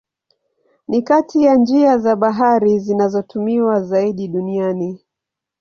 Ni kati ya njia za bahari zinazotumiwa zaidi duniani.